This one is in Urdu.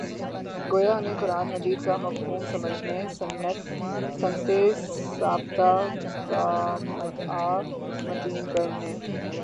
گویا انھیں قرآنِ مجیدکامفہوم سمجھنے، سنتِ ثابتہ کا مدعا متعین کرنے